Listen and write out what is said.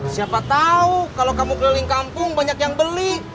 siapa tahu kalau kamu keliling kampung banyak yang beli